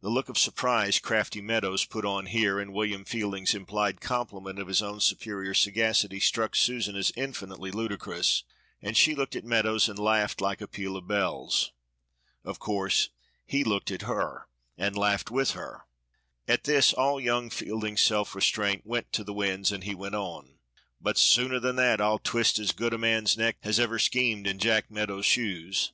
The look of surprise crafty Meadows put on here, and William Fielding's implied compliment to his own superior sagacity struck Susan as infinitely ludicrous, and she looked at Meadows and laughed like a peal of bells. Of course he looked at her and laughed with her. At this all young Fielding's self restraint went to the winds, and he went on "But sooner than that, I'll twist as good a man's neck as ever schemed in Jack Meadows' shoes!"